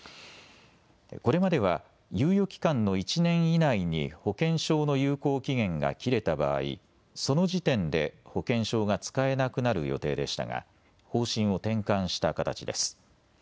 これまでは猶予期間の１年以内に保険証の有効期限が切れた場合、その時点で保険証が使えなくなる予定でしたが方針を転換した形です。